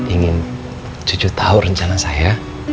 ingin jujur tahu rencana saya